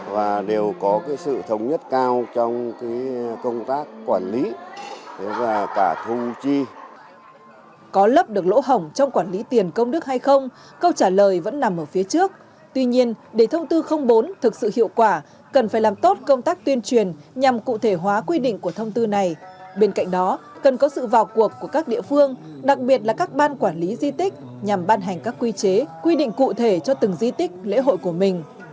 và đều có cái sự thống nhất cao trong cái công tác quản lý và cả thông chi